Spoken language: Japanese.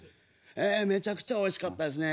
ええめちゃくちゃおいしかったですね。